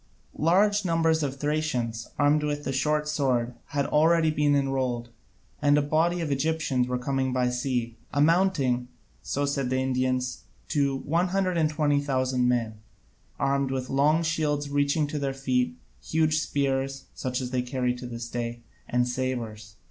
Large numbers of Thracians, armed with the short sword, had already been enrolled, and a body of Egyptians were coming by sea, amounting so said the Indians to 120,000 men, armed with long shields reaching to their feet, huge spears (such as they carry to this day), and sabres.